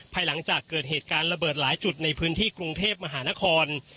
ภายหลังจากเกิดเหตุการณ์ระเบิดหลายจุดในพื้นที่กรุงเทพมหานคร